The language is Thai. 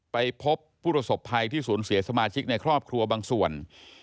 ไปพบผู้ประสบภัยที่สูญเสียสมาชิกในครอบครัวบางส่วน